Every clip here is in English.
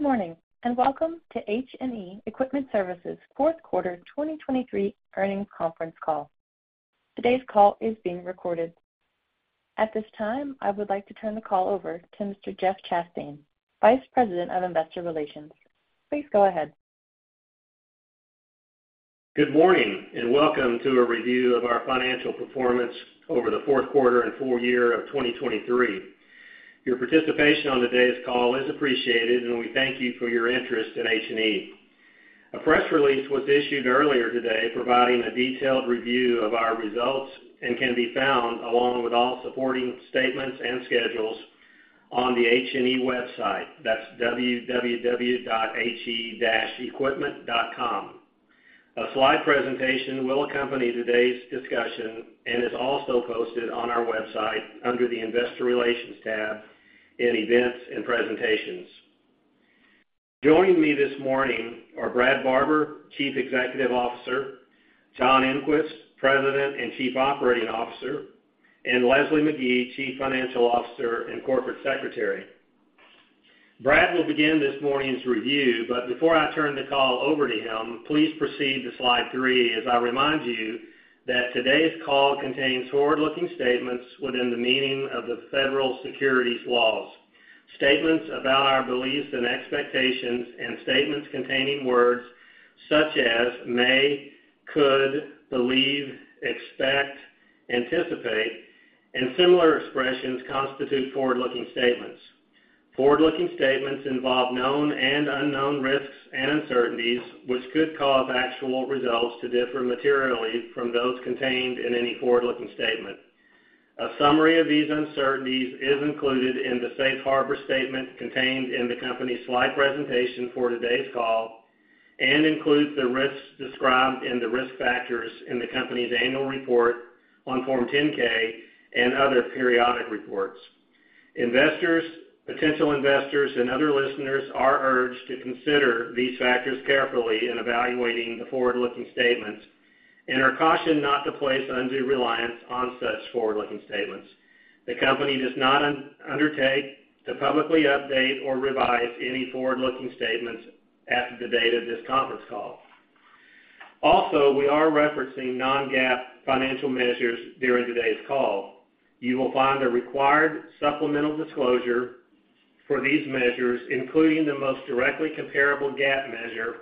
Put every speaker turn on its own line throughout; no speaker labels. Good morning and welcome to H&E Equipment Services' fourth quarter 2023 earnings conference call. Today's call is being recorded. At this time, I would like to turn the call over to Mr. Jeff Chastain, Vice President of Investor Relations. Please go ahead.
Good morning and welcome to a review of our financial performance over the fourth quarter and full year of 2023. Your participation on today's call is appreciated, and we thank you for your interest in H&E. A press release was issued earlier today providing a detailed review of our results and can be found along with all supporting statements and schedules on the H&E website. That's www.he-equipment.com. A slide presentation will accompany today's discussion and is also posted on our website under the Investor Relations tab in Events and Presentations. Joining me this morning are Brad Barber, Chief Executive Officer; John Engquist, President and Chief Operating Officer; and Leslie Magee, Chief Financial Officer and Corporate Secretary. Brad will begin this morning's review, but before I turn the call over to him, please proceed to slide three as I remind you that today's call contains forward-looking statements within the meaning of the federal securities laws, statements about our beliefs and expectations, and statements containing words such as may, could, believe, expect, anticipate, and similar expressions constitute forward-looking statements. Forward-looking statements involve known and unknown risks and uncertainties, which could cause actual results to differ materially from those contained in any forward-looking statement. A summary of these uncertainties is included in the Safe Harbor statement contained in the company's slide presentation for today's call and includes the risks described in the risk factors in the company's annual report on Form 10-K and other periodic reports. Investors, potential investors, and other listeners are urged to consider these factors carefully in evaluating the forward-looking statements and are cautioned not to place undue reliance on such forward-looking statements. The company does not undertake to publicly update or revise any forward-looking statements after the date of this conference call. Also, we are referencing non-GAAP financial measures during today's call. You will find a required supplemental disclosure for these measures, including the most directly comparable GAAP measure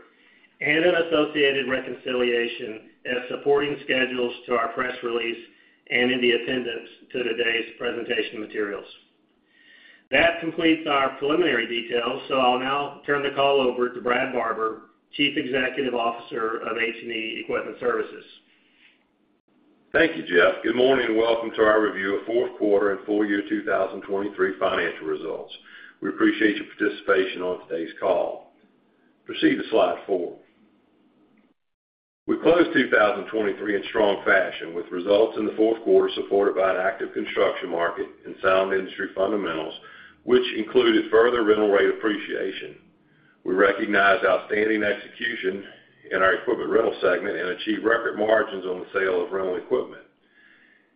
and an associated reconciliation as supporting schedules to our press release and in the appendix to today's presentation materials. That completes our preliminary details, so I'll now turn the call over to Brad Barber, Chief Executive Officer of H&E Equipment Services.
Thank you, Jeff. Good morning and welcome to our review of fourth quarter and full year 2023 financial results. We appreciate your participation on today's call. Proceed to slide four. We closed 2023 in strong fashion with results in the fourth quarter supported by an active construction market and sound industry fundamentals, which included further rental rate appreciation. We recognized outstanding execution in our equipment rental segment and achieved record margins on the sale of rental equipment.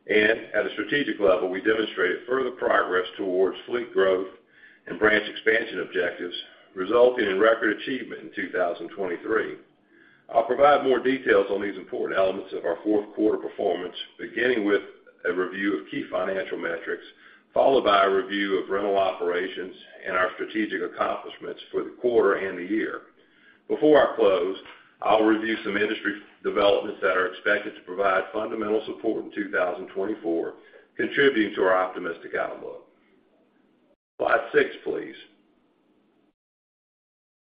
At a strategic level, we demonstrated further progress towards fleet growth and branch expansion objectives, resulting in record achievement in 2023. I'll provide more details on these important elements of our fourth quarter performance, beginning with a review of key financial metrics, followed by a review of rental operations and our strategic accomplishments for the quarter and the year. Before I close, I'll review some industry developments that are expected to provide fundamental support in 2024, contributing to our optimistic outlook. Slide six, please.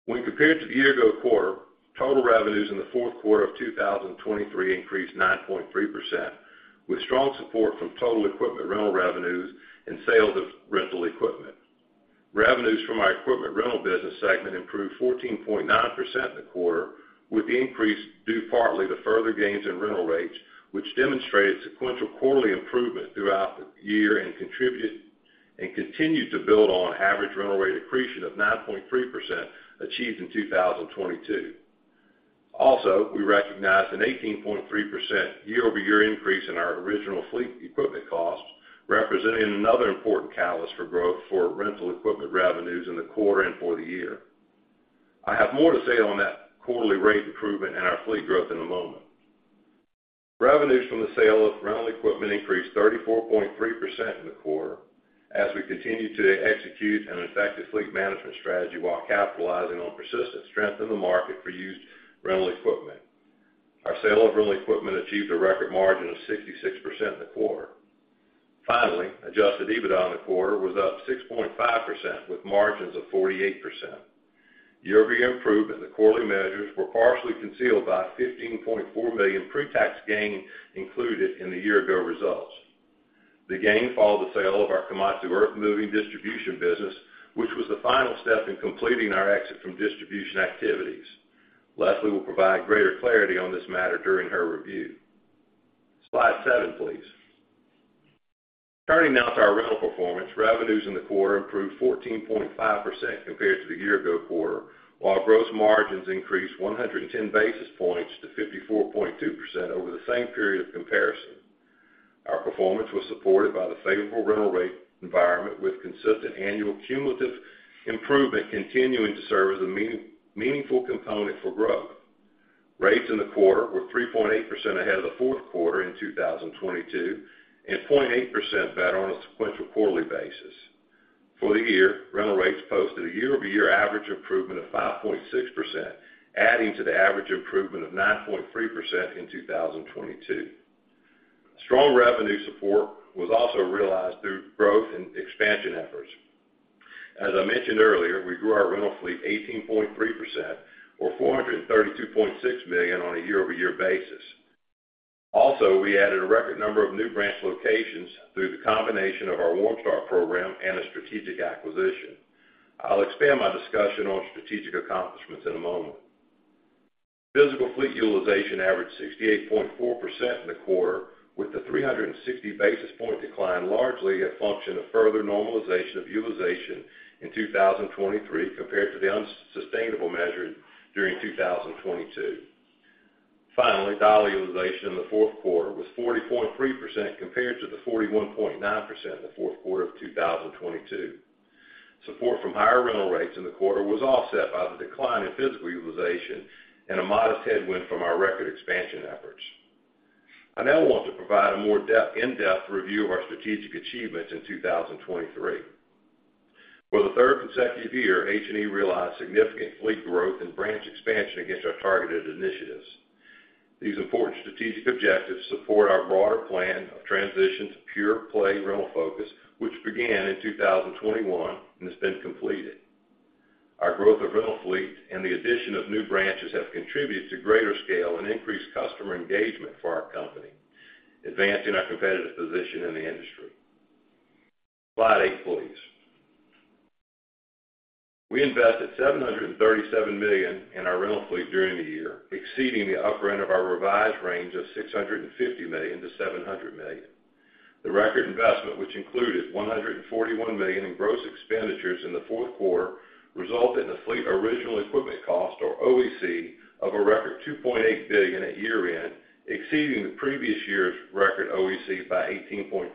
When compared to the year-ago quarter, total revenues in the fourth quarter of 2023 increased 9.3% with strong support from total equipment rental revenues and sales of rental equipment. Revenues from our equipment rental business segment improved 14.9% in the quarter, with the increase due partly to further gains in rental rates, which demonstrated sequential quarterly improvement throughout the year and continued to build on average rental rate accretion of 9.3% achieved in 2022. Also, we recognized an 18.3% year-over-year increase in our original fleet equipment costs, representing another important catalyst for growth for rental equipment revenues in the quarter and for the year. I have more to say on that quarterly rate improvement and our fleet growth in a moment. Revenues from the sale of rental equipment increased 34.3% in the quarter as we continue to execute an effective fleet management strategy while capitalizing on persistent strength in the market for used rental equipment. Our sale of rental equipment achieved a record margin of 66% in the quarter. Finally, Adjusted EBITDA in the quarter was up 6.5% with margins of 48%. Year-over-year improvement in the quarterly measures were partially concealed by $15.4 million pre-tax gain included in the year-ago results. The gain followed the sale of our Komatsu earthmoving distribution business, which was the final step in completing our exit from distribution activities. Leslie will provide greater clarity on this matter during her review. Slide seven, please. Turning now to our rental performance, revenues in the quarter improved 14.5% compared to the year-ago quarter, while gross margins increased 110 basis points to 54.2% over the same period of comparison. Our performance was supported by the favorable rental rate environment, with consistent annual cumulative improvement continuing to serve as a meaningful component for growth. Rates in the quarter were 3.8% ahead of the fourth quarter in 2022 and 0.8% better on a sequential quarterly basis. For the year, rental rates posted a year-over-year average improvement of 5.6%, adding to the average improvement of 9.3% in 2022. Strong revenue support was also realized through growth and expansion efforts. As I mentioned earlier, we grew our rental fleet 18.3%, or $432.6 million, on a year-over-year basis. Also, we added a record number of new branch locations through the combination of our Warm Start program and a strategic acquisition. I'll expand my discussion on strategic accomplishments in a moment. Physical fleet utilization averaged 68.4% in the quarter, with the 360 basis point decline largely a function of further normalization of utilization in 2023 compared to the unsustainable measure during 2022. Finally, dollar utilization in the fourth quarter was 40.3% compared to the 41.9% in the fourth quarter of 2022. Support from higher rental rates in the quarter was offset by the decline in physical utilization and a modest headwind from our record expansion efforts. I now want to provide a more in-depth review of our strategic achievements in 2023. For the third consecutive year, H&E realized significant fleet growth and branch expansion against our targeted initiatives. These important strategic objectives support our broader plan of transition to pure play rental focus, which began in 2021 and has been completed. Our growth of rental fleet and the addition of new branches have contributed to greater scale and increased customer engagement for our company, advancing our competitive position in the industry. Slide eight, please. We invested $737 million in our rental fleet during the year, exceeding the upper end of our revised range of $650 million-$700 million. The record investment, which included $141 million in gross expenditures in the fourth quarter, resulted in a fleet original equipment cost, or OEC, of a record $2.8 billion at year-end, exceeding the previous year's record OEC by 18.3%.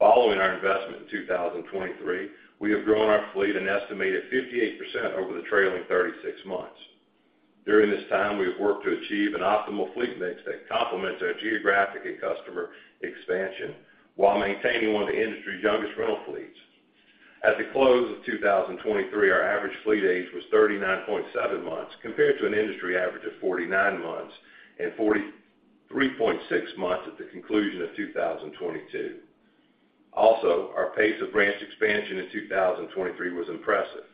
Following our investment in 2023, we have grown our fleet an estimated 58% over the trailing 36 months. During this time, we have worked to achieve an optimal fleet mix that complements our geographic and customer expansion while maintaining one of the industry's youngest rental fleets. At the close of 2023, our average fleet age was 39.7 months compared to an industry average of 49 months and 43.6 months at the conclusion of 2022. Also, our pace of branch expansion in 2023 was impressive.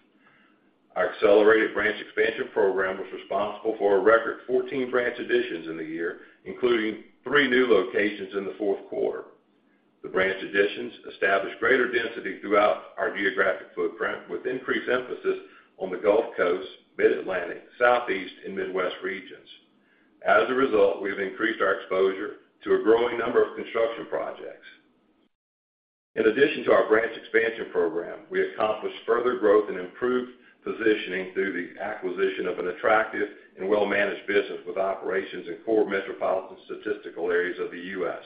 Our accelerated branch expansion program was responsible for a record 14 branch additions in the year, including three new locations in the fourth quarter. The branch additions established greater density throughout our geographic footprint, with increased emphasis on the Gulf Coast, Mid-Atlantic, Southeast, and Midwest regions. As a result, we have increased our exposure to a growing number of construction projects. In addition to our branch expansion program, we accomplished further growth and improved positioning through the acquisition of an attractive and well-managed business with operations in core metropolitan statistical areas of the U.S.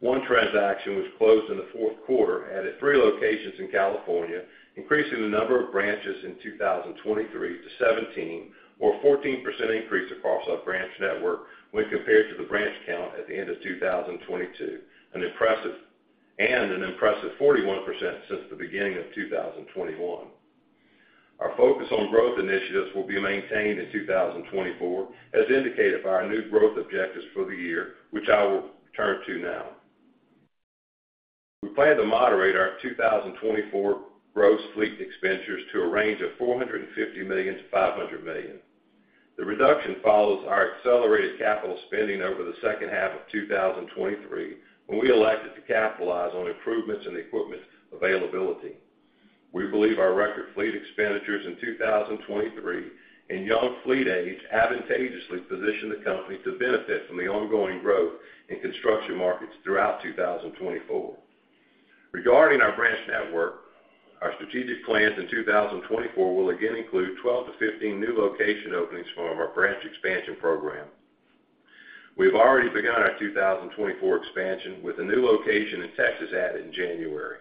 One transaction was closed in the fourth quarter, added three locations in California, increasing the number of branches in 2023 to 17, or a 14% increase across our branch network when compared to the branch count at the end of 2022, and an impressive 41% since the beginning of 2021. Our focus on growth initiatives will be maintained in 2024, as indicated by our new growth objectives for the year, which I will turn to now. We plan to moderate our 2024 gross fleet expenditures to a range of $450 million-$500 million. The reduction follows our accelerated capital spending over the second half of 2023 when we elected to capitalize on improvements in the equipment availability. We believe our record fleet expenditures in 2023 and young fleet age advantageously position the company to benefit from the ongoing growth in construction markets throughout 2024. Regarding our branch network, our strategic plans in 2024 will again include 12-15 new location openings from our branch expansion program. We have already begun our 2024 expansion, with a new location in Texas added in January.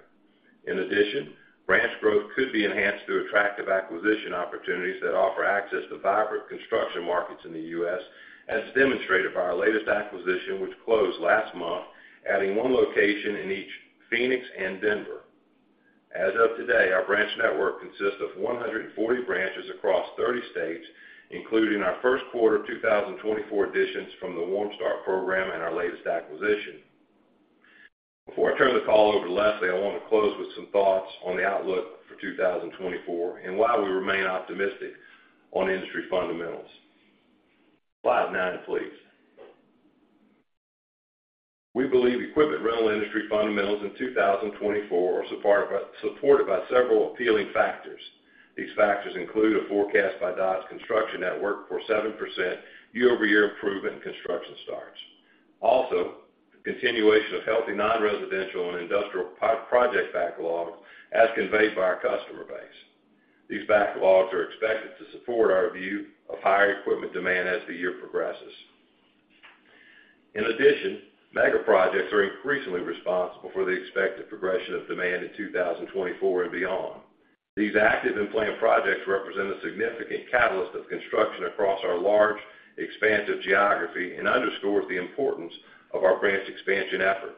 In addition, branch growth could be enhanced through attractive acquisition opportunities that offer access to vibrant construction markets in the U.S., as demonstrated by our latest acquisition, which closed last month, adding one location in each Phoenix and Denver. As of today, our branch network consists of 140 branches across 30 states, including our first quarter 2024 additions from the Warm Start program and our latest acquisition. Before I turn the call over to Leslie, I want to close with some thoughts on the outlook for 2024 and why we remain optimistic on industry fundamentals. Slide nine, please. We believe equipment rental industry fundamentals in 2024 are supported by several appealing factors. These factors include a forecast by Dodge Construction Network for 7% year-over-year improvement in construction starts, also the continuation of healthy non-residential and industrial project backlogs as conveyed by our customer base. These backlogs are expected to support our view of higher equipment demand as the year progresses. In addition, mega projects are increasingly responsible for the expected progression of demand in 2024 and beyond. These active and planned projects represent a significant catalyst of construction across our large, expansive geography and underscore the importance of our branch expansion effort.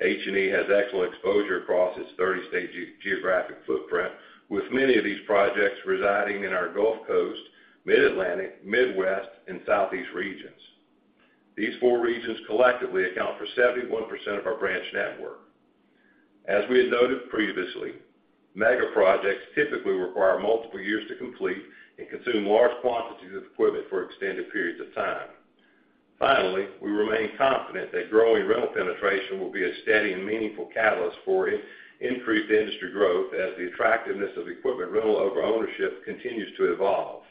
H&E has excellent exposure across its 30-state geographic footprint, with many of these projects residing in our Gulf Coast, Mid-Atlantic, Midwest, and Southeast regions. These four regions collectively account for 71% of our branch network. As we had noted previously, mega projects typically require multiple years to complete and consume large quantities of equipment for extended periods of time. Finally, we remain confident that growing rental penetration will be a steady and meaningful catalyst for increased industry growth as the attractiveness of equipment rental over ownership continues to evolve.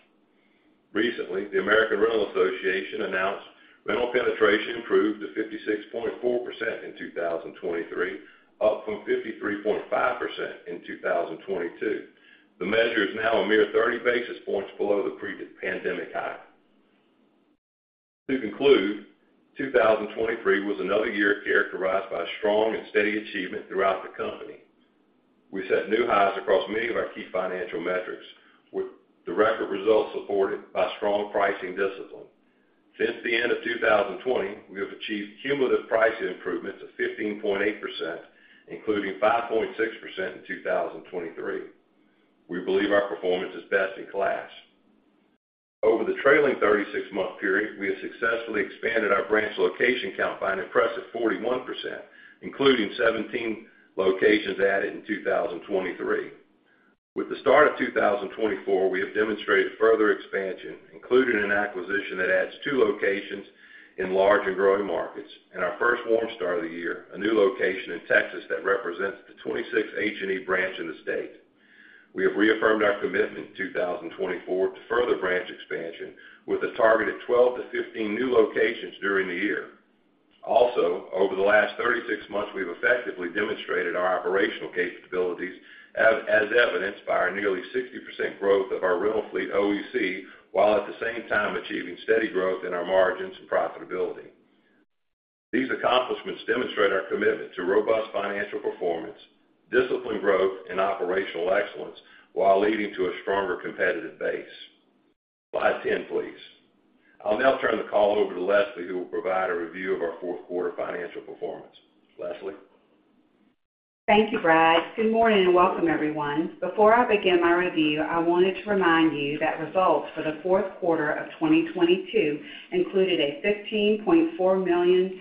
Recently, the American Rental Association announced rental penetration improved to 56.4% in 2023, up from 53.5% in 2022. The measure is now a mere 30 basis points below the pre-pandemic high. To conclude, 2023 was another year characterized by strong and steady achievement throughout the company. We set new highs across many of our key financial metrics, with the record results supported by strong pricing discipline. Since the end of 2020, we have achieved cumulative pricing improvements of 15.8%, including 5.6% in 2023. We believe our performance is best in class. Over the trailing 36-month period, we have successfully expanded our branch location count by an impressive 41%, including 17 locations added in 2023. With the start of 2024, we have demonstrated further expansion, including an acquisition that adds two locations in large and growing markets and our first Warm Start of the year, a new location in Texas that represents the 26th H&E branch in the state. We have reaffirmed our commitment in 2024 to further branch expansion, with a target of 12-15 new locations during the year. Also, over the last 36 months, we have effectively demonstrated our operational capabilities as evidenced by our nearly 60% growth of our rental fleet OEC, while at the same time achieving steady growth in our margins and profitability. These accomplishments demonstrate our commitment to robust financial performance, disciplined growth, and operational excellence while leading to a stronger competitive base. Slide 10, please. I'll now turn the call over to Leslie, who will provide a review of our fourth quarter financial performance. Leslie.
Thank you, Brad. Good morning and welcome, everyone. Before I begin my review, I wanted to remind you that results for the fourth quarter of 2022 included a $15.4 million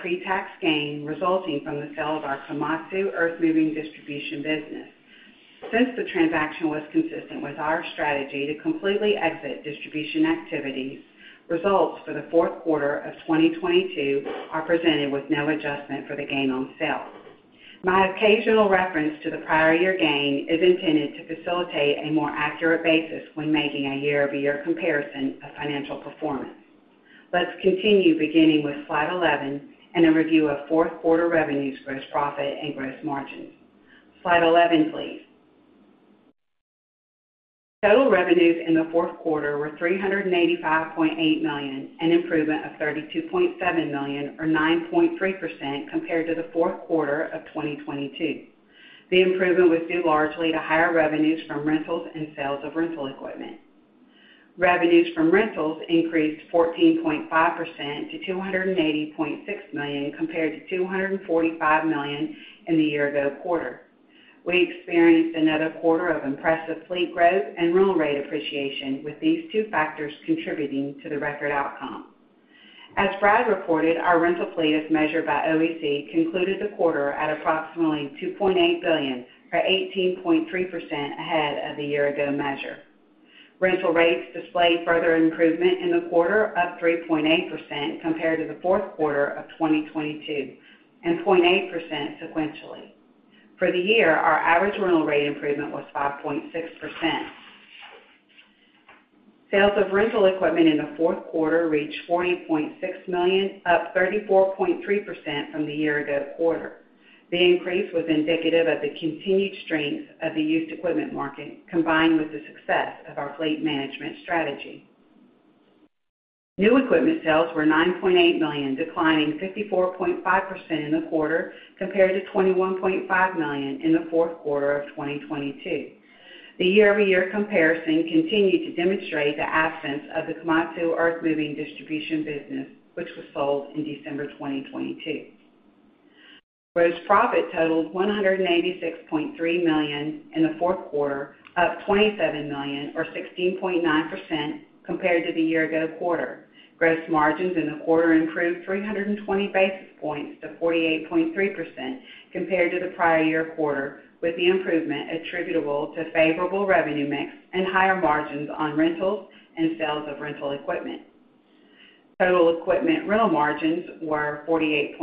pre-tax gain resulting from the sale of our Komatsu earthmoving distribution business. Since the transaction was consistent with our strategy to completely exit distribution activities, results for the fourth quarter of 2022 are presented with no adjustment for the gain on sale. My occasional reference to the prior year gain is intended to facilitate a more accurate basis when making a year-over-year comparison of financial performance. Let's continue, beginning with slide 11 and a review of fourth quarter revenues, gross profit, and gross margins. Slide 11, please. Total revenues in the fourth quarter were $385.8 million, an improvement of $32.7 million, or 9.3% compared to the fourth quarter of 2022. The improvement was due largely to higher revenues from rentals and sales of rental equipment. Revenues from rentals increased 14.5% to $280.6 million compared to $245 million in the year-ago quarter. We experienced another quarter of impressive fleet growth and rental rate appreciation, with these two factors contributing to the record outcome. As Brad reported, our rental fleet, as measured by OEC, concluded the quarter at approximately $2.8 billion, or 18.3% ahead of the year-ago measure. Rental rates displayed further improvement in the quarter, up 3.8% compared to the fourth quarter of 2022, and 0.8% sequentially. For the year, our average rental rate improvement was 5.6%. Sales of rental equipment in the fourth quarter reached $40.6 million, up 34.3% from the year-ago quarter. The increase was indicative of the continued strength of the used equipment market, combined with the success of our fleet management strategy. New equipment sales were $9.8 million, declining 54.5% in the quarter compared to $21.5 million in the fourth quarter of 2022. The year-over-year comparison continued to demonstrate the absence of the Komatsu earthmoving distribution business, which was sold in December 2022. Gross profit totaled $186.3 million in the fourth quarter, up $27 million, or 16.9% compared to the year-ago quarter. Gross margins in the quarter improved 320 basis points to 48.3% compared to the prior year quarter, with the improvement attributable to favorable revenue mix and higher margins on rentals and sales of rental equipment. Total equipment rental margins were 48.2%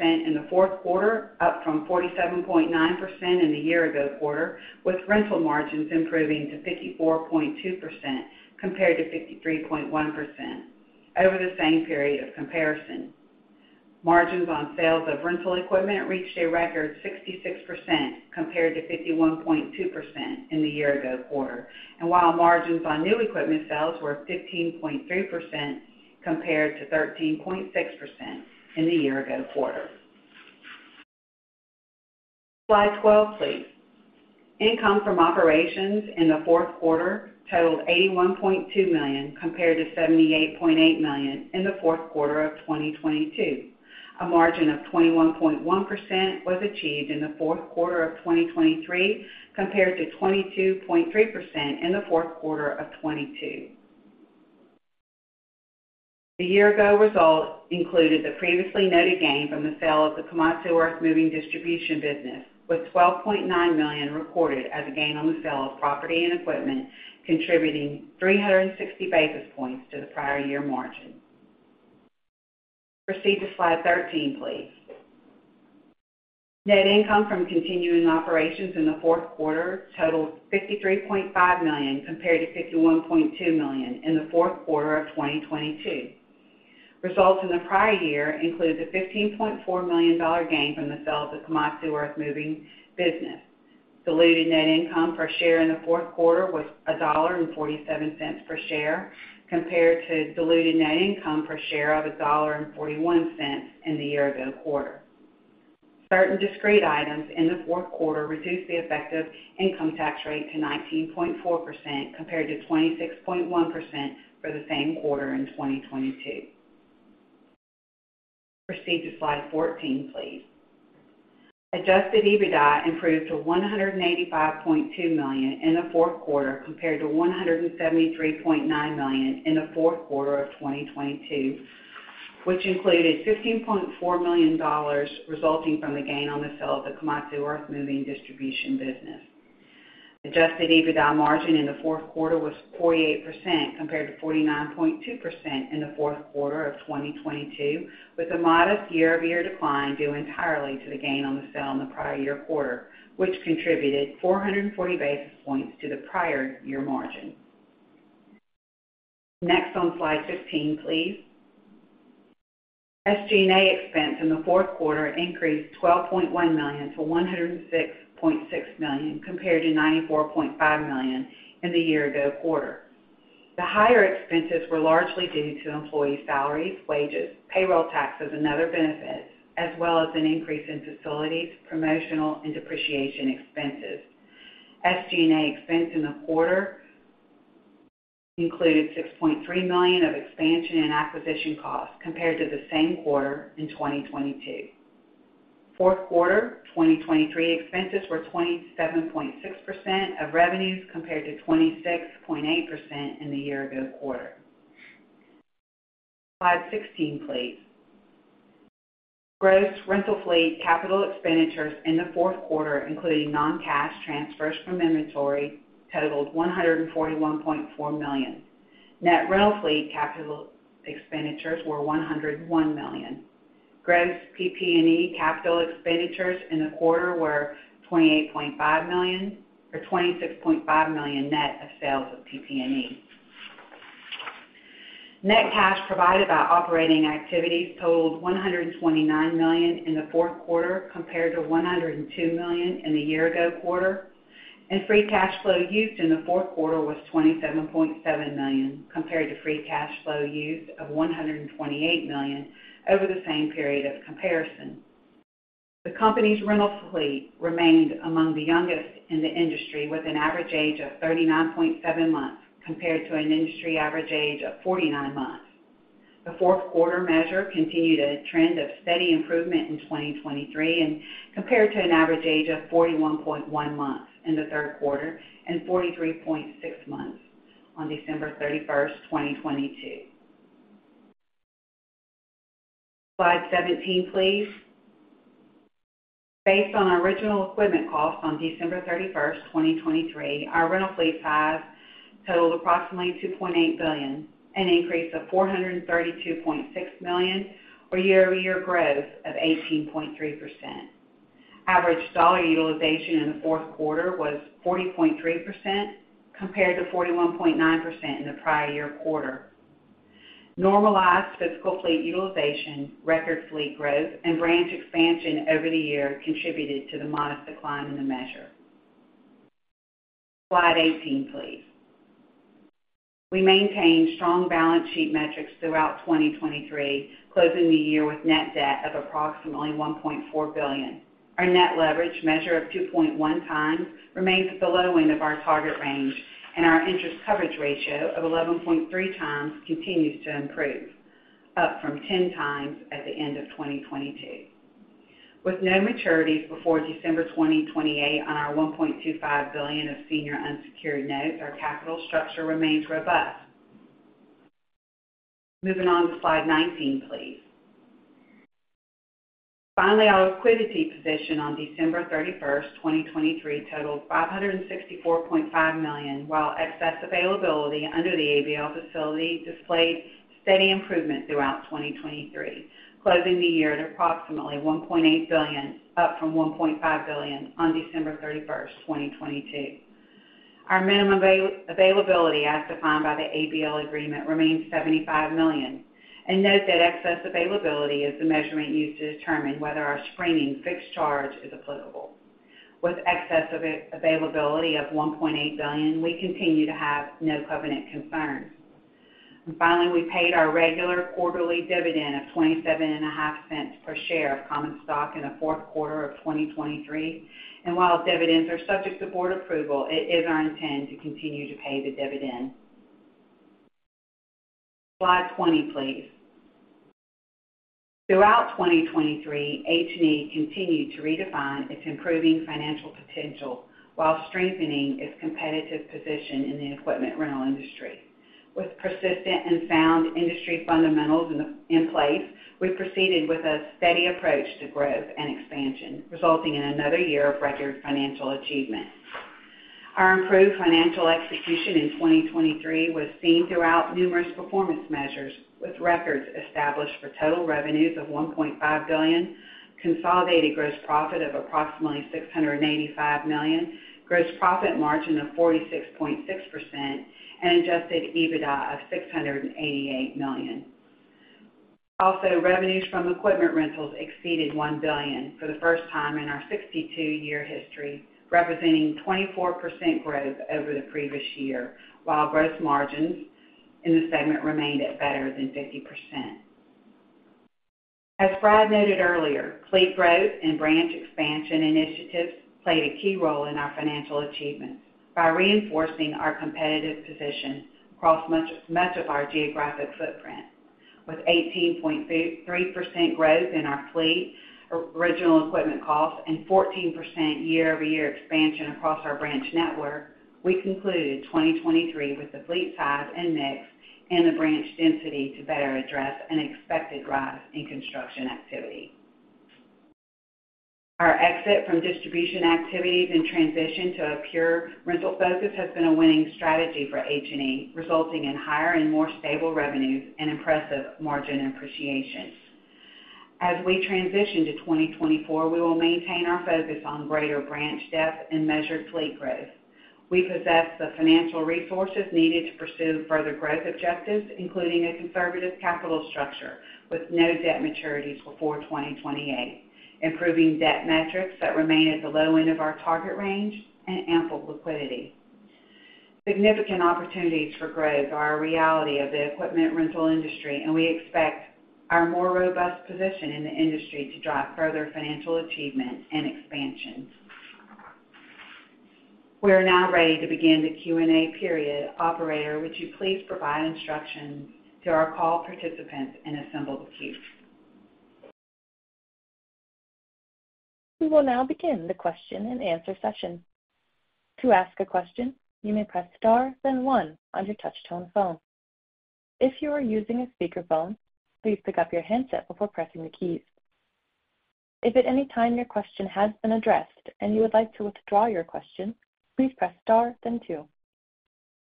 in the fourth quarter, up from 47.9% in the year-ago quarter, with rental margins improving to 54.2% compared to 53.1% over the same period of comparison. Margins on sales of rental equipment reached a record 66% compared to 51.2% in the year-ago quarter, and while margins on new equipment sales were 15.3% compared to 13.6% in the year-ago quarter. Slide 12, please. Income from operations in the fourth quarter totaled $81.2 million compared to $78.8 million in the fourth quarter of 2022. A margin of 21.1% was achieved in the fourth quarter of 2023 compared to 22.3% in the fourth quarter of 2022. The year-ago result included the previously noted gain from the sale of the Komatsu earthmoving distribution business, with $12.9 million recorded as a gain on the sale of property and equipment, contributing 360 basis points to the prior year margin. Proceed to slide 13, please. Net income from continuing operations in the fourth quarter totaled $53.5 million compared to $51.2 million in the fourth quarter of 2022. Results in the prior year included a $15.4 million gain from the sale of the Komatsu earthmoving business. Diluted net income per share in the fourth quarter was $1.47 per share compared to diluted net income per share of $1.41 in the year-ago quarter. Certain discrete items in the fourth quarter reduced the effective income tax rate to 19.4% compared to 26.1% for the same quarter in 2022. Proceed to slide 14, please. Adjusted EBITDA improved to $185.2 million in the fourth quarter compared to $173.9 million in the fourth quarter of 2022, which included $15.4 million resulting from the gain on the sale of the Komatsu earthmoving distribution business. Adjusted EBITDA margin in the fourth quarter was 48% compared to 49.2% in the fourth quarter of 2022, with a modest year-over-year decline due entirely to the gain on the sale in the prior year quarter, which contributed 440 basis points to the prior year margin. Next on slide 15, please. SG&A expense in the fourth quarter increased $12.1 million to $106.6 million compared to $94.5 million in the year-ago quarter. The higher expenses were largely due to employee salaries, wages, payroll taxes, and other benefits, as well as an increase in facilities, promotional, and depreciation expenses. SG&A expense in the quarter included $6.3 million of expansion and acquisition costs compared to the same quarter in 2022. Fourth quarter 2023 expenses were 27.6% of revenues compared to 26.8% in the year-ago quarter. Slide 16, please. Gross rental fleet capital expenditures in the fourth quarter, including non-cash transfers from inventory, totaled $141.4 million. Net rental fleet capital expenditures were $101 million. Gross PP&E capital expenditures in the quarter were $26.5 million net of sales of PP&E. Net cash provided by operating activities totaled $129 million in the fourth quarter compared to $102 million in the year-ago quarter, and free cash flow used in the fourth quarter was $27.7 million compared to free cash flow use of $128 million over the same period of comparison. The company's rental fleet remained among the youngest in the industry, with an average age of 39.7 months compared to an industry average age of 49 months. The fourth quarter measure continued a trend of steady improvement in 2023 and compared to an average age of 41.1 months in the third quarter and 43.6 months on December 31st, 2022. Slide 17, please. Based on our original equipment costs on December 31st, 2023, our rental fleet size totaled approximately $2.8 billion, an increase of $432.6 million, or year-over-year growth of 18.3%. Average dollar utilization in the fourth quarter was 40.3% compared to 41.9% in the prior year quarter. Normalized physical fleet utilization, record fleet growth, and branch expansion over the year contributed to the modest decline in the measure. Slide 18, please. We maintained strong balance sheet metrics throughout 2023, closing the year with net debt of approximately $1.4 billion. Our net leverage, measure of 2.1x, remains at the low end of our target range, and our interest coverage ratio of 11.3x continues to improve, up from 10 times at the end of 2022. With no maturities before December 2028 on our $1.25 billion of senior unsecured notes, our capital structure remains robust. Moving on to slide 19, please. Finally, our liquidity position on December 31st, 2023, totaled $564.5 million, while excess availability under the ABL facility displayed steady improvement throughout 2023, closing the year at approximately $1.8 billion, up from $1.5 billion on December 31st, 2022. Our minimum availability as defined by the ABL agreement remains $75 million, and note that excess availability is the measurement used to determine whether our screening fixed charge is applicable. With excess availability of $1.8 billion, we continue to have no covenant concerns. And finally, we paid our regular quarterly dividend of $0.275 per share of common stock in the fourth quarter of 2023, and while dividends are subject to board approval, it is our intent to continue to pay the dividend. Slide 20, please. Throughout 2023, H&E continued to redefine its improving financial potential while strengthening its competitive position in the equipment rental industry. With persistent and sound industry fundamentals in place, we proceeded with a steady approach to growth and expansion, resulting in another year of record financial achievement. Our improved financial execution in 2023 was seen throughout numerous performance measures, with records established for total revenues of $1.5 billion, consolidated gross profit of approximately $685 million, gross profit margin of 46.6%, and Adjusted EBITDA of $688 million. Also, revenues from equipment rentals exceeded $1 billion for the first time in our 62-year history, representing 24% growth over the previous year, while gross margins in the segment remained at better than 50%. As Brad noted earlier, fleet growth and branch expansion initiatives played a key role in our financial achievements by reinforcing our competitive position across much of our geographic footprint. With 18.3% growth in our fleet, original equipment costs, and 14% year-over-year expansion across our branch network, we concluded 2023 with the fleet size and mix and the branch density to better address an expected rise in construction activity. Our exit from distribution activities and transition to a pure rental focus has been a winning strategy for H&E, resulting in higher and more stable revenues and impressive margin appreciation. As we transition to 2024, we will maintain our focus on greater branch depth and measured fleet growth. We possess the financial resources needed to pursue further growth objectives, including a conservative capital structure with no debt maturities before 2028, improving debt metrics that remain at the low end of our target range and ample liquidity. Significant opportunities for growth are a reality of the equipment rental industry, and we expect our more robust position in the industry to drive further financial achievement and expansion. We are now ready to begin the Q&A period. Operator, would you please provide instructions to our call participants in assembled queue?
We will now begin the question and answer session. To ask a question, you may press star, then one, on your touch-tone phone. If you are using a speakerphone, please pick up your handset before pressing the keys. If at any time your question has been addressed and you would like to withdraw your question, please press star, then two.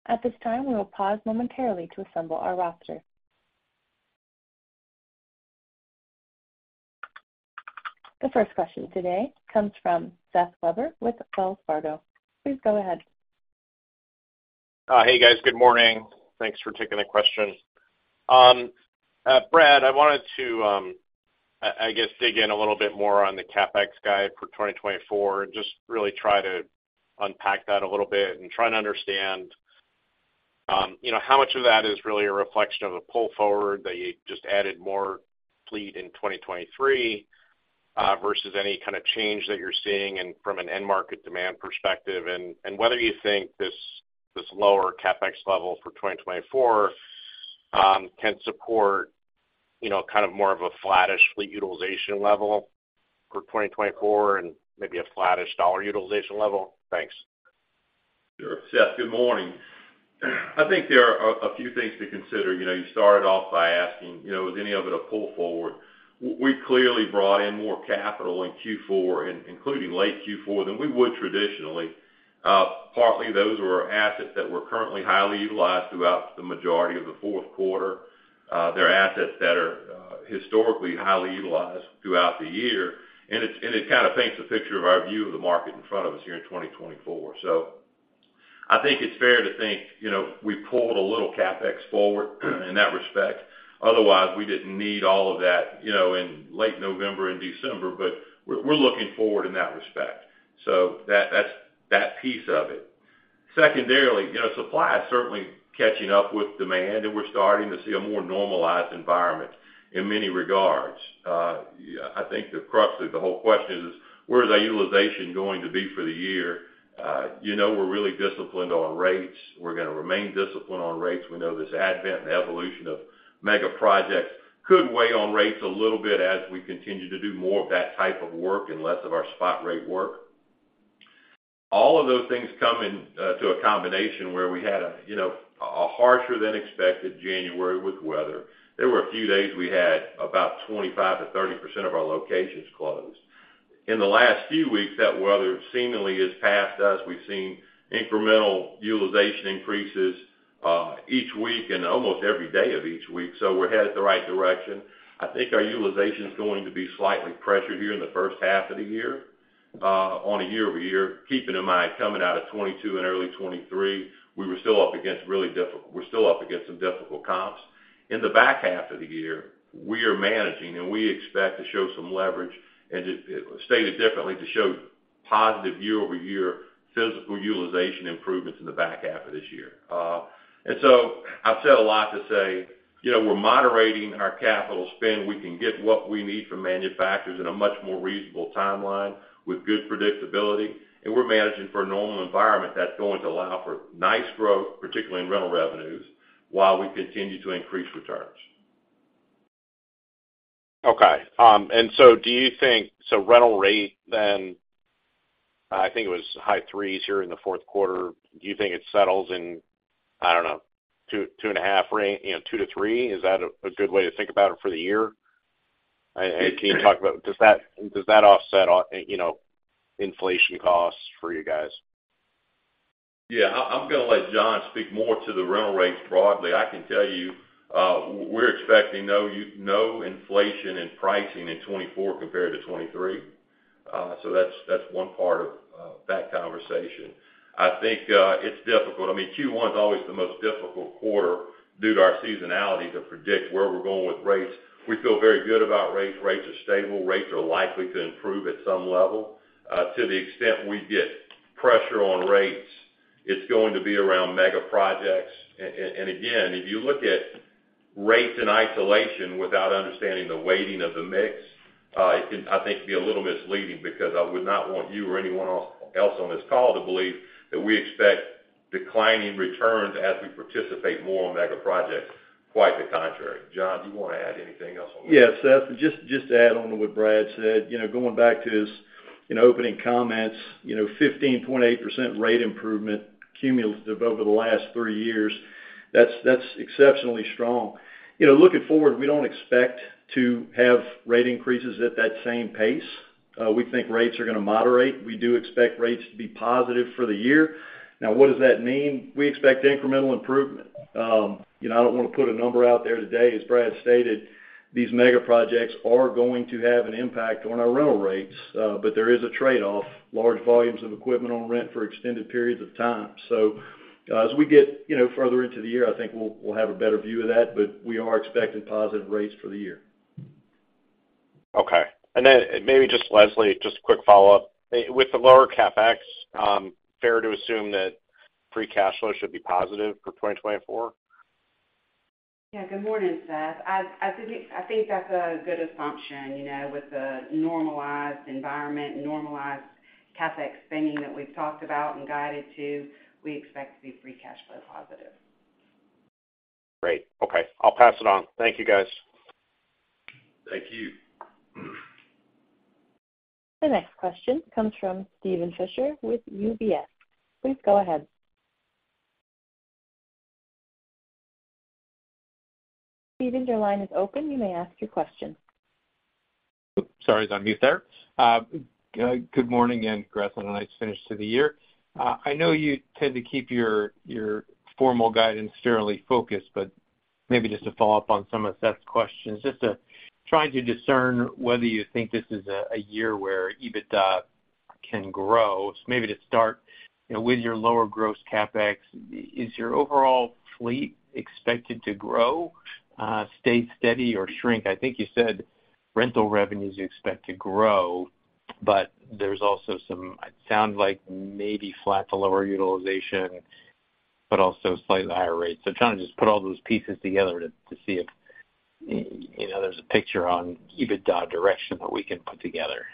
At this time, we will pause momentarily to assemble our roster. The first question today comes from Seth Weber with Wells Fargo. Please go ahead.
Hey, guys. Good morning. Thanks for taking the question. Brad, I wanted to, I guess, dig in a little bit more on the CapEx guide for 2024 and just really try to unpack that a little bit and try to understand how much of that is really a reflection of a pull forward that you just added more fleet in 2023 versus any kind of change that you're seeing from an end-market demand perspective and whether you think this lower CapEx level for 2024 can support kind of more of a flattish fleet utilization level for 2024 and maybe a flattish dollar utilization level? Thanks.
Sure. Seth, good morning. I think there are a few things to consider. You started off by asking, "Is any of it a pull forward?" We clearly brought in more capital in Q4, including late Q4, than we would traditionally. Partly, those were assets that were currently highly utilized throughout the majority of the fourth quarter. They're assets that are historically highly utilized throughout the year, and it kind of paints a picture of our view of the market in front of us here in 2024. So I think it's fair to think we pulled a little CapEx forward in that respect. Otherwise, we didn't need all of that in late November and December, but we're looking forward in that respect. So that piece of it. Secondarily, supply is certainly catching up with demand, and we're starting to see a more normalized environment in many regards. I think the crux of the whole question is, "Where's our utilization going to be for the year?" We're really disciplined on rates. We're going to remain disciplined on rates. We know this advent and evolution of mega projects could weigh on rates a little bit as we continue to do more of that type of work and less of our spot rate work. All of those things come into a combination where we had a harsher-than-expected January with weather. There were a few days we had about 25%-30% of our locations closed. In the last few weeks, that weather seemingly has passed us. We've seen incremental utilization increases each week and almost every day of each week, so we're headed the right direction. I think our utilization is going to be slightly pressured here in the first half of the year on a year-over-year, keeping in mind coming out of 2022 and early 2023, we were still up against really difficult comps. In the back half of the year, we are managing, and we expect to show some leverage and, stated differently, to show positive year-over-year physical utilization improvements in the back half of this year. And so I've said a lot to say we're moderating our capital spend. We can get what we need from manufacturers in a much more reasonable timeline with good predictability, and we're managing for a normal environment that's going to allow for nice growth, particularly in rental revenues, while we continue to increase returns.
Okay. And so do you think so rental rate, then I think it was high threes here in the fourth quarter. Do you think it settles in, I don't know, two and a half range? two to three? Is that a good way to think about it for the year? Can you talk about does that offset inflation costs for you guys?
Yeah. I'm going to let John speak more to the rental rates broadly. I can tell you we're expecting no inflation in pricing in 2024 compared to 2023. So that's one part of that conversation. I think it's difficult. I mean, Q1 is always the most difficult quarter due to our seasonality to predict where we're going with rates. We feel very good about rates. Rates are stable. Rates are likely to improve at some level. To the extent we get pressure on rates, it's going to be around mega projects. And again, if you look at rates in isolation without understanding the weighting of the mix, it can, I think, be a little misleading because I would not want you or anyone else on this call to believe that we expect declining returns as we participate more on mega projects. Quite the contrary. John, do you want to add anything else on that?
Yeah, Seth. Just to add on to what Brad said, going back to his opening comments, 15.8% rate improvement cumulative over the last three years, that's exceptionally strong. Looking forward, we don't expect to have rate increases at that same pace. We think rates are going to moderate. We do expect rates to be positive for the year. Now, what does that mean? We expect incremental improvement. I don't want to put a number out there today. As Brad stated, these mega projects are going to have an impact on our rental rates, but there is a trade-off: large volumes of equipment on rent for extended periods of time. So as we get further into the year, I think we'll have a better view of that, but we are expecting positive rates for the year.
Okay. And then maybe just, Leslie, just a quick follow-up. With the lower CapEx, fair to assume that free cash flow should be positive for 2024?
Yeah. Good morning, Seth. I think that's a good assumption. With the normalized environment, normalized CapEx spending that we've talked about and guided to, we expect to see free cash flow positive.
Great. Okay. I'll pass it on. Thank you, guys.
Thank you.
The next question comes from Steven Fisher with UBS. Please go ahead. Steven, your line is open. You may ask your question.
Oops. Sorry. He's on mute there. Good morning again, Brad. A nice finish to the year. I know you tend to keep your formal guidance fairly focused, but maybe just to follow up on some of Seth's questions, just trying to discern whether you think this is a year where EBITDA can grow. So maybe to start with your lower gross CapEx, is your overall fleet expected to grow, stay steady, or shrink? I think you said rental revenues expect to grow, but there's also some, it sounds like, maybe flat to lower utilization, but also slightly higher rates. So trying to just put all those pieces together to see if there's a picture on EBITDA direction that we can put together.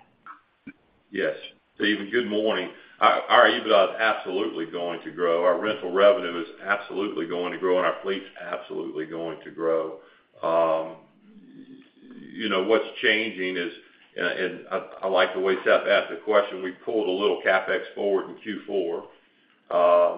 Yes. Stephen, good morning. Our EBITDA is absolutely going to grow. Our rental revenue is absolutely going to grow, and our fleet's absolutely going to grow. What's changing is, and I like the way Seth asked the question, we pulled a little CapEx forward in Q4.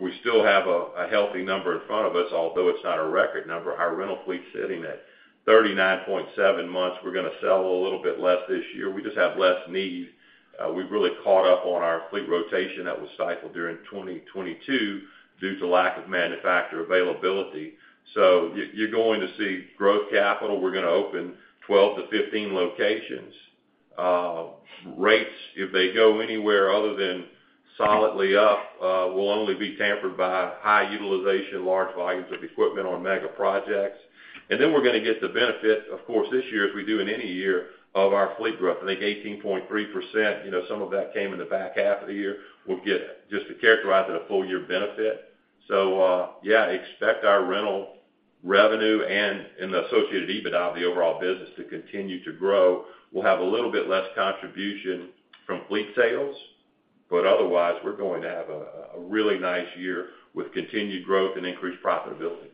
We still have a healthy number in front of us, although it's not a record number. Our rental fleet's sitting at 39.7 months. We're going to sell a little bit less this year. We just have less need. We've really caught up on our fleet rotation that was stifled during 2022 due to lack of manufacturer availability. So you're going to see growth capital. We're going to open 12-15 locations. Rates, if they go anywhere other than solidly up, will only be tampered by high utilization, large volumes of equipment on mega projects. And then we're going to get the benefit, of course, this year, as we do in any year, of our fleet growth. I think 18.3%, some of that came in the back half of the year. We'll get just to characterize it a full-year benefit. So yeah, expect our rental revenue and the associated EBITDA, the overall business, to continue to grow. We'll have a little bit less contribution from fleet sales, but otherwise, we're going to have a really nice year with continued growth and increased profitability.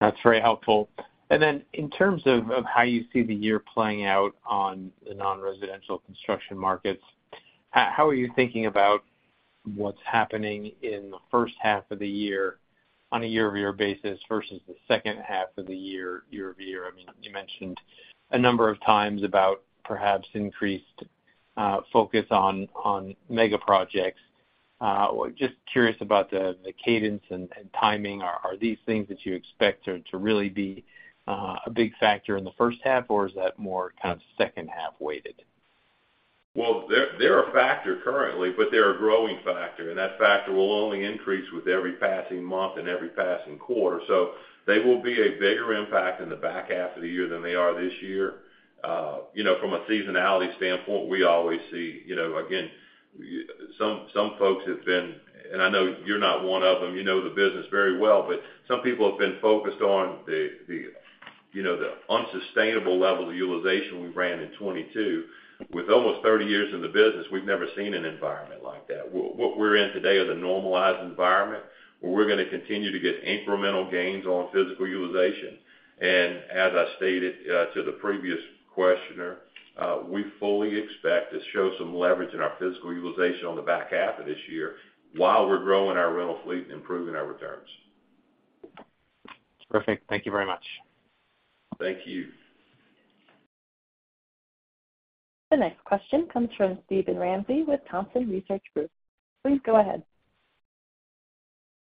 That's very helpful. And then in terms of how you see the year playing out on the non-residential construction markets, how are you thinking about what's happening in the first half of the year on a year-over-year basis versus the second half of the year, year-over-year? I mean, you mentioned a number of times about perhaps increased focus on mega projects. Just curious about the cadence and timing. Are these things that you expect to really be a big factor in the first half, or is that more kind of second-half weighted?
Well, they're a factor currently, but they're a growing factor, and that factor will only increase with every passing month and every passing quarter. So they will be a bigger impact in the back half of the year than they are this year. From a seasonality standpoint, we always see again some folks have been, and I know you're not one of them. You know the business very well, but some people have been focused on the unsustainable level of utilization we ran in 2022. With almost 30 years in the business, we've never seen an environment like that. What we're in today is a normalized environment where we're going to continue to get incremental gains on physical utilization. And as I stated to the previous questioner, we fully expect to show some leverage in our physical utilization on the back half of this year while we're growing our rental fleet and improving our returns.
Perfect. Thank you very much.
Thank you.
The next question comes from Steven Ramsey with Thompson Research Group. Please go ahead.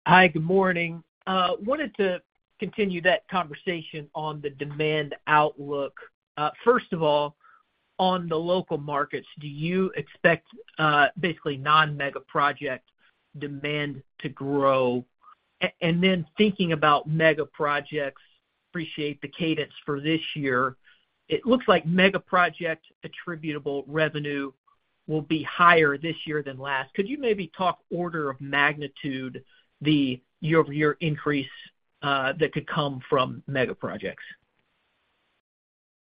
Hi. Good morning. Wanted to continue that conversation on the demand outlook. First of all, on the local markets, do you expect basically non-mega project demand to grow? And then thinking about mega projects, appreciate the cadence for this year. It looks like mega project attributable revenue will be higher this year than last. Could you maybe talk order of magnitude the year-over-year increase that could come from mega projects?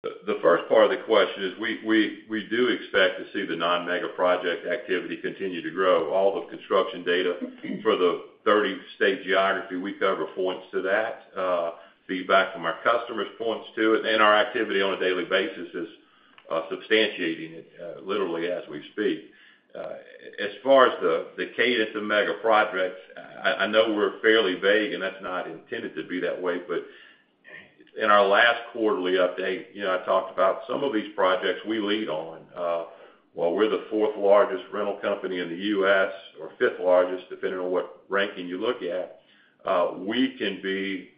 The first part of the question is we do expect to see the non-mega project activity continue to grow. All the construction data for the 30-state geography we cover points to that. Feedback from our customers points to it, and our activity on a daily basis is substantiating it literally as we speak. As far as the cadence of mega projects, I know we're fairly vague, and that's not intended to be that way, but in our last quarterly update, I talked about some of these projects we lead on. While we're the fourth-largest rental company in the U.S. or fifth-largest, depending on what ranking you look at, we can be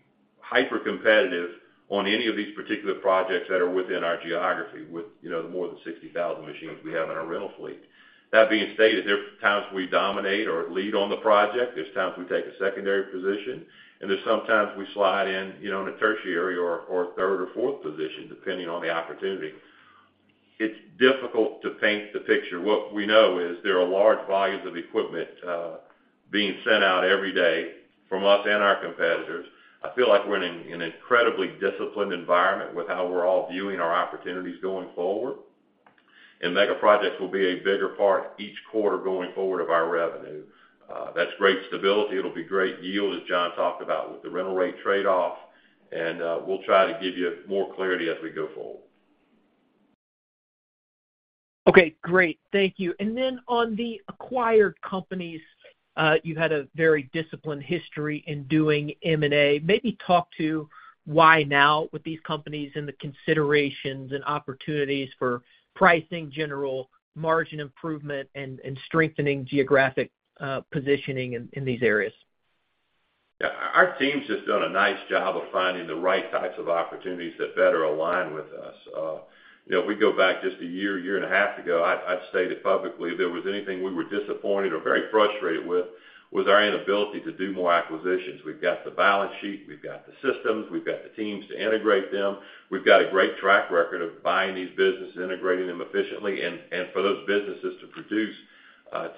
hyper-competitive on any of these particular projects that are within our geography with the more than 60,000 machines we have in our rental fleet. That being stated, there are times we dominate or lead on the project. There's times we take a secondary position, and there's some times we slide in in a tertiary or third or fourth position, depending on the opportunity. It's difficult to paint the picture. What we know is there are large volumes of equipment being sent out every day from us and our competitors. I feel like we're in an incredibly disciplined environment with how we're all viewing our opportunities going forward, and mega projects will be a bigger part each quarter going forward of our revenue. That's great stability. It'll be great yield, as John talked about, with the rental rate trade-off, and we'll try to give you more clarity as we go forward.
Okay. Great. Thank you. And then on the acquired companies, you've had a very disciplined history in doing M&A. Maybe talk to why now with these companies and the considerations and opportunities for pricing, general, margin improvement, and strengthening geographic positioning in these areas.
Yeah. Our team's just done a nice job of finding the right types of opportunities that better align with us. If we go back just a year, year and a half ago, I'd stated publicly if there was anything we were disappointed or very frustrated with was our inability to do more acquisitions. We've got the balance sheet. We've got the systems. We've got the teams to integrate them. We've got a great track record of buying these businesses, integrating them efficiently, and for those businesses to produce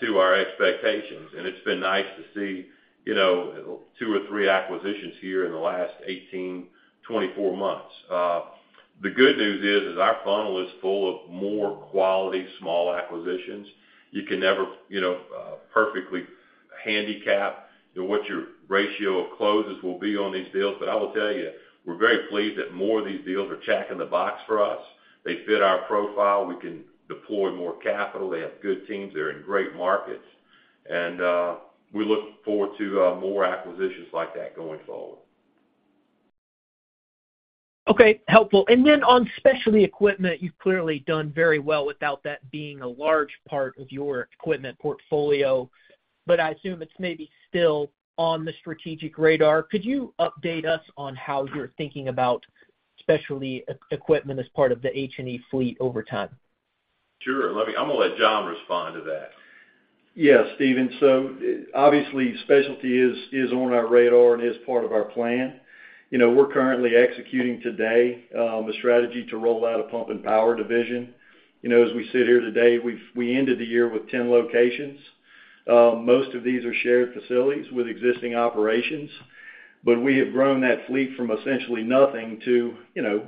to our expectations. It's been nice to see two or three acquisitions here in the last 18, 24 months. The good news is our funnel is full of more quality small acquisitions. You can never perfectly handicap what your ratio of closes will be on these deals, but I will tell you, we're very pleased that more of these deals are checking the box for us. They fit our profile. We can deploy more capital. They have good teams. They're in great markets. And we look forward to more acquisitions like that going forward. Okay. Helpful. And then on specialty equipment, you've clearly done very well without that being a large part of your equipment portfolio, but I assume it's maybe still on the strategic radar. Could you update us on how you're thinking about specialty equipment as part of the H&E fleet over time?
Sure. I'm going to let John respond to that.
Yeah, Steven. So obviously, specialty is on our radar and is part of our plan. We're currently executing today a strategy to roll out a pump and power division. As we sit here today, we ended the year with 10 locations. Most of these are shared facilities with existing operations, but we have grown that fleet from essentially nothing to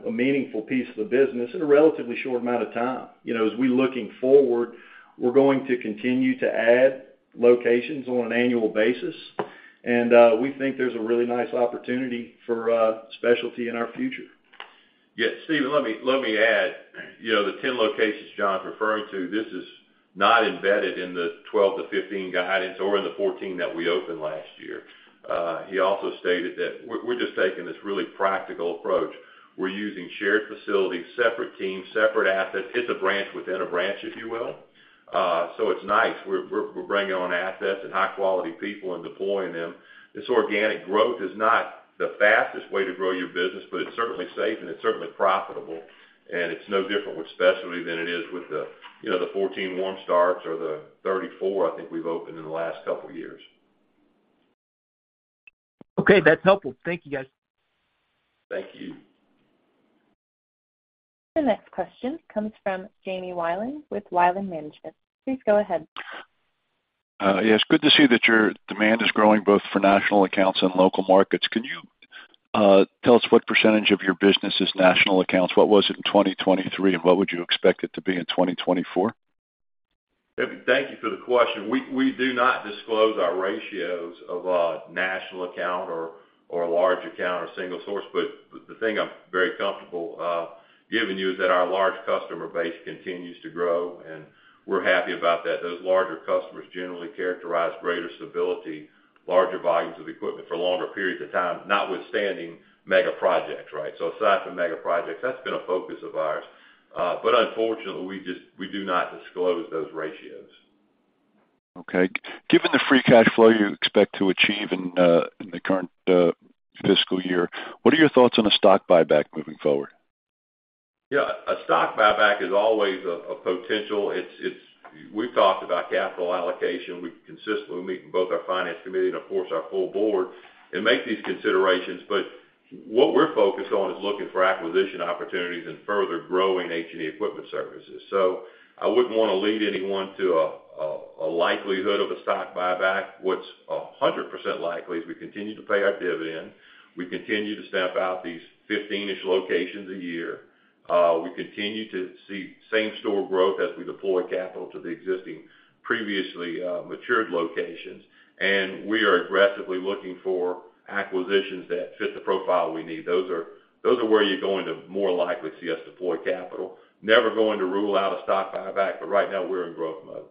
a meaningful piece of the business in a relatively short amount of time. As we're looking forward, we're going to continue to add locations on an annual basis, and we think there's a really nice opportunity for specialty in our future.
Yeah. Steven, let me add. The 10 locations John's referring to, this is not embedded in the 12-15 guidance or in the 14 that we opened last year. He also stated that we're just taking this really practical approach. We're using shared facilities, separate teams, separate assets. It's a branch within a branch, if you will. So it's nice. We're bringing on assets and high-quality people and deploying them. This organic growth is not the fastest way to grow your business, but it's certainly safe, and it's certainly profitable, and it's no different with specialty than it is with the 14 warm starts or the 34 I think we've opened in the last couple of years.
Okay. That's helpful. Thank you, guys.
Thank you.
The next question comes from Jamie Wilen with Wilen Management. Please go ahead.
Yes. Good to see that your demand is growing both for national accounts and local markets. Can you tell us what percentage of your business is national accounts? What was it in 2023, and what would you expect it to be in 2024?
Thank you for the question. We do not disclose our ratios of national account or large account or single source, but the thing I'm very comfortable giving you is that our large customer base continues to grow, and we're happy about that. Those larger customers generally characterize greater stability, larger volumes of equipment for longer periods of time, notwithstanding mega projects, right? So aside from mega projects, that's been a focus of ours. But unfortunately, we do not disclose those ratios.
Okay. Given the free cash flow you expect to achieve in the current fiscal year, what are your thoughts on a stock buyback moving forward?
Yeah. A stock buyback is always a potential. We've talked about capital allocation. We've consistently met with both our Finance Committee and, of course, our full board and made these considerations. But what we're focused on is looking for acquisition opportunities and further growing H&E Equipment Services. So I wouldn't want to lead anyone to a likelihood of a stock buyback. What's 100% likely is we continue to pay our dividend. We continue to stamp out these 15-ish locations a year. We continue to see same-store growth as we deploy capital to the existing previously matured locations, and we are aggressively looking for acquisitions that fit the profile we need. Those are where you're going to more likely see us deploy capital. Never going to rule out a stock buyback, but right now, we're in growth mode.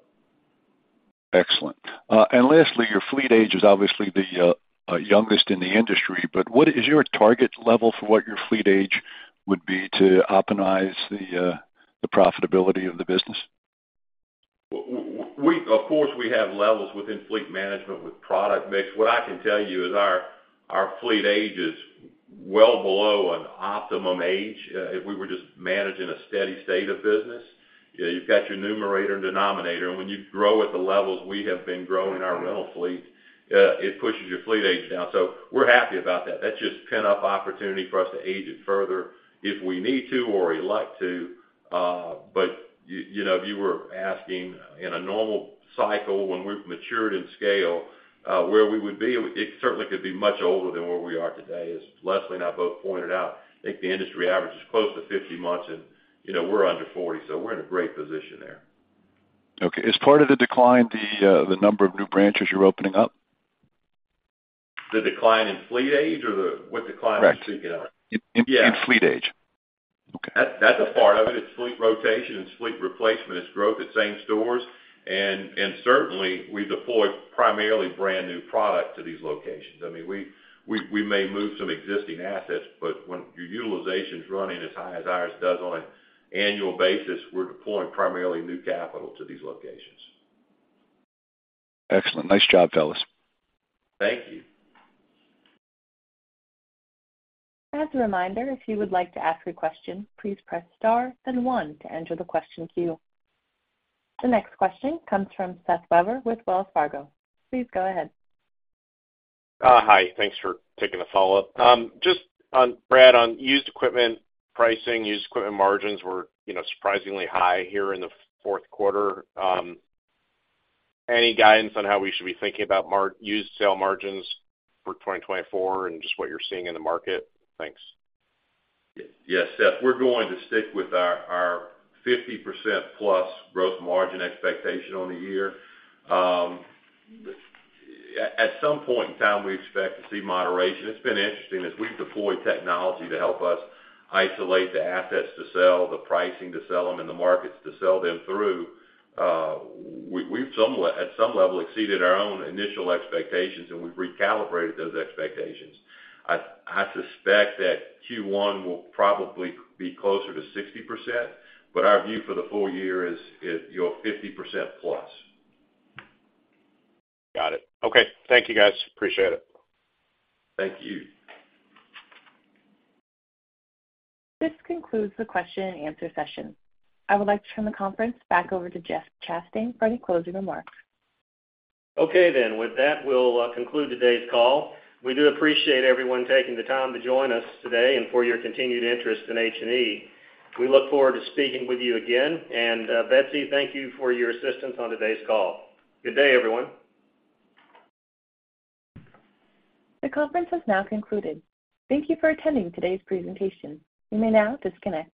Excellent. And lastly, your fleet age is obviously the youngest in the industry, but is your target level for what your fleet age would be to optimize the profitability of the business?
Of course, we have levels within fleet management with product mix. What I can tell you is our fleet age is well below an optimum age if we were just managing a steady state of business. You've got your numerator and denominator, and when you grow at the levels we have been growing our rental fleet, it pushes your fleet age down. So we're happy about that. That's just pent-up opportunity for us to age it further if we need to or elect to. But if you were asking in a normal cycle when we've matured in scale where we would be, it certainly could be much older than where we are today. As Leslie and I both pointed out, I think the industry average is close to 50 months, and we're under 40, so we're in a great position there.
Okay. Is part of the decline the number of new branches you're opening up?
The decline in fleet age or what decline are you speaking of?
Right. In fleet age. Okay.
That's a part of it. It's fleet rotation. It's fleet replacement. It's growth at same stores. And certainly, we deploy primarily brand new product to these locations. I mean, we may move some existing assets, but when your utilization's running as high as ours does on an annual basis, we're deploying primarily new capital to these locations.
Excellent. Nice job, fellas.
Thank you.
As a reminder, if you would like to ask a question, please press star and one to enter the question queue. The next question comes from Seth Weber with Wells Fargo. Please go ahead.
Hi. Thanks for taking the follow-up. Just, Brad, on used equipment pricing, used equipment margins were surprisingly high here in the fourth quarter. Any guidance on how we should be thinking about used sale margins for 2024 and just what you're seeing in the market? Thanks.
Yeah. Seth, we're going to stick with our 50%+ gross margin expectation on the year. At some point in time, we expect to see moderation. It's been interesting as we've deployed technology to help us isolate the assets to sell, the pricing to sell them, and the markets to sell them through. We've, at some level, exceeded our own initial expectations, and we've recalibrated those expectations. I suspect that Q1 will probably be closer to 60%, but our view for the full year is 50%+.
Got it. Okay. Thank you, guys. Appreciate it.
Thank you.
This concludes the question-and-answer session. I would like to turn the conference back over to Jeff Chastain for any closing remarks.
Okay then. With that, we'll conclude today's call. We do appreciate everyone taking the time to join us today and for your continued interest in H&E. We look forward to speaking with you again. And Betsy, thank you for your assistance on today's call. Good day, everyone.
The conference has now concluded. Thank you for attending today's presentation. You may now disconnect.